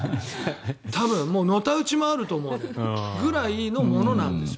多分、のた打ち回ると思うのでそれぐらいのものなんですよ。